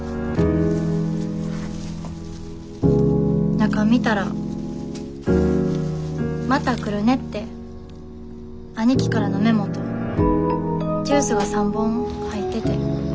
中見たら「また来るね」って兄貴からのメモとジュースが３本入ってて。